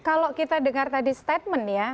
kalau kita dengar tadi statement ya